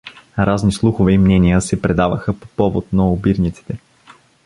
Разни слухове и мнения се предаваха по повод на обирниците.